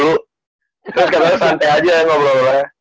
terus katanya santai aja ngomong ngomong